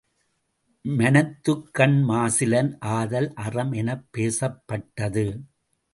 மனத்துக்கண் மாசிலன் ஆதல் அறம் எனப் பேசப்பட்டது.